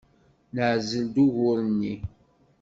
Neɛzel-d ugur-nni.